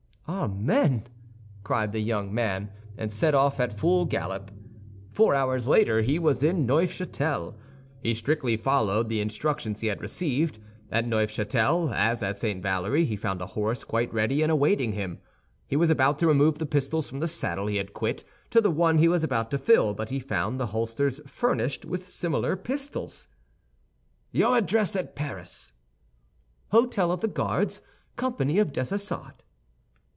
"Amen!" cried the young man, and set off at full gallop. Four hours later he was in Neufchâtel. He strictly followed the instructions he had received. At Neufchâtel, as at St. Valery, he found a horse quite ready and awaiting him. He was about to remove the pistols from the saddle he had quit to the one he was about to fill, but he found the holsters furnished with similar pistols. "Your address at Paris?" "Hôtel of the Guards, company of Dessessart."